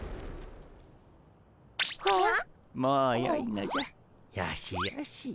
もうよいのじゃよしよし。